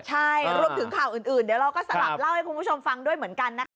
ใช่รวมถึงข่าวอื่นเดี๋ยวเราก็สลับเล่าให้คุณผู้ชมฟังด้วยเหมือนกันนะคะ